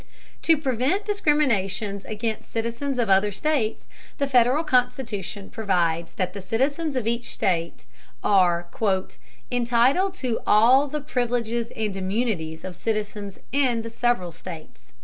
To prevent discriminations against citizens of other states, the Federal Constitution provides that the citizens of each state are "entitled to all the privileges and immunities of citizens in the several states."